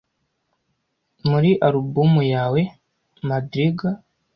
muri alubumu yawe madrigal